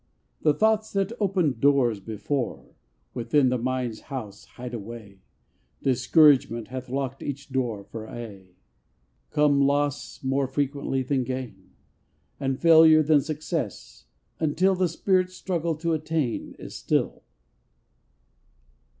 The thoughts that opened doors before Within the mind's house, hide away; Discouragement hath locked each door For aye. Come, loss, more frequently than gain! And failure than success! until The spirit's struggle to attain Is still!